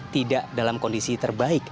tidak dalam kondisi terbaik